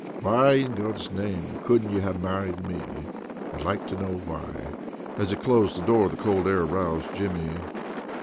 "Why in God's name couldna ye have married me? I'd like to know why." As he closed the door, the cold air roused Jimmy.